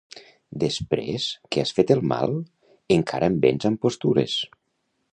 Després que has fet el mal, encara em vens amb postures.